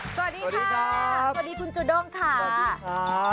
สวัสดีค่ะสวัสดีคุณจูด้งค่ะสวัสดีค่ะ